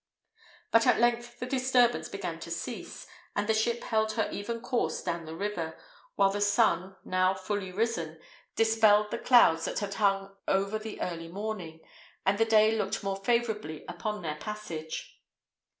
But at length the disturbance began to cease, and the ship held her even course down the river, while the sun, now fully risen, dispelled the clouds that had hung over the early morning, and the day looked more favourably upon their passage.